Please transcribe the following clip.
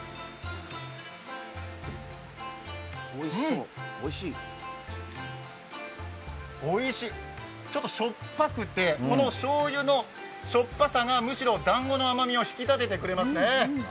うん、おいしい、ちょっとしょっぱくて、このしょうゆのしょっぱさが、むしろだんこの甘みを引き立ててくれますね。